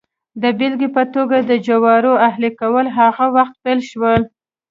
د بېلګې په توګه د جوارو اهلي کول هغه وخت پیل شول